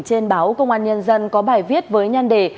trên báo công an nhân dân có bài viết với nhan đề